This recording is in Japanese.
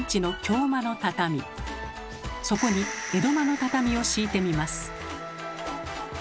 そこに江戸間の畳を敷いてみます。